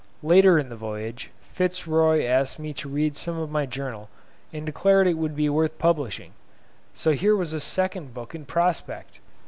Later in the voyage, Fitz Roy asked me to read some of my Journal, and declared it would be worth publishing; so here was a second book in prospect!